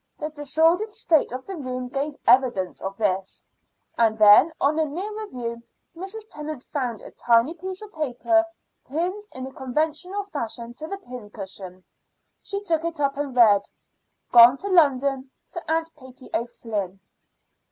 The disordered state of the room gave evidence of this; and then on a nearer view Mrs. Tennant found a tiny piece of paper pinned in conventional fashion to the pin cushion. She took it up and read: "Gone to London to Aunt Katie O'Flynn."